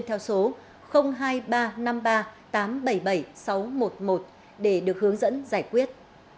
theo số hai nghìn ba trăm năm mươi ba tám trăm bảy mươi bảy sáu trăm một mươi một để được hướng dẫn giải quyết